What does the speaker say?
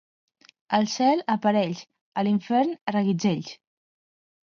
Al cel, a parells; a l'infern, a reguitzells.